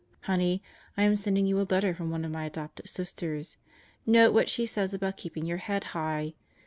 Honey, I am sending you a letter from one of my adopted Sisters. Note what she says about keeping your head high.